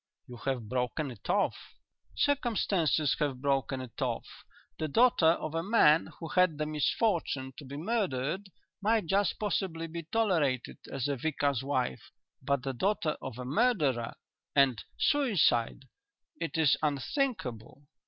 "You have broken it off?" "Circumstances have broken it off. The daughter of a man who had the misfortune to be murdered might just possibly be tolerated as a vicar's wife, but the daughter of a murderer and suicide it is unthinkable!